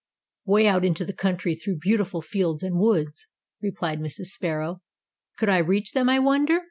"Way out into the country through beautiful fields and woods," replied Mrs. Sparrow. "Could I reach them, I wonder!